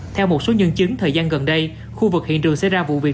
theo một số nhân chứng thời gian gần đây khu vực hiện trường sẽ ra vụ việc